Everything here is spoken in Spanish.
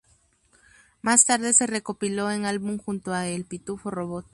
Más tarde se recopiló en álbum junto a "El pitufo robot".